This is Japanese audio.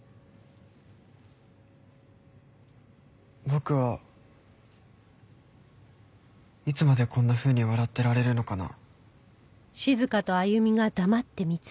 僕はいつまでこんなふうに笑ってられるのかな？